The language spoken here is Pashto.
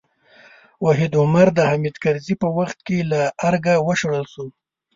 وحید عمر د حامد کرزي په وخت کې له ارګه وشړل شو.